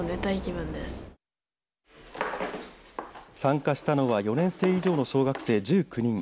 参加したのは４年生以上の小学生１９人。